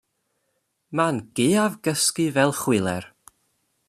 Mae'n gaeafgysgu fel chwiler.